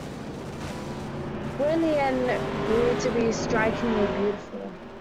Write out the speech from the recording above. Gwenllian grew to be strikingly beautiful.